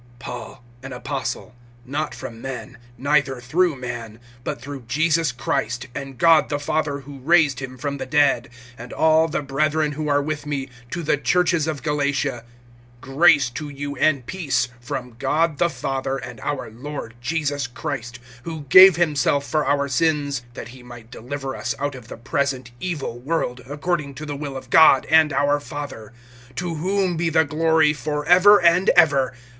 PAUL, an apostle, not from men, neither through man, but through Jesus Christ, and God the Father who raised him from the dead, (2)and all the brethren who are with me, to the churches of Galatia: (3)Grace to you, and peace, from God the Father, and our Lord Jesus Christ; (4)who gave himself for our sins, that he might deliver us out of the present evil world, according to the will of God and our Father; (5)to whom be the glory forever and ever.